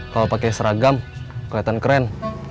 kalau pakai seragam kelihatan keren